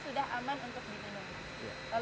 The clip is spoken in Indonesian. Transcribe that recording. sudah aman untuk dipindahkan